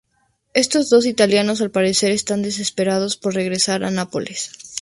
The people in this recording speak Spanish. Estos dos italianos, al parecer, están desesperados por regresar a Nápoles.